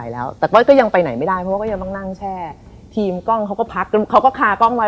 แล้วแกก็ฝัน